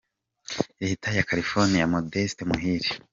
Leta ya California : Modeste Muhire.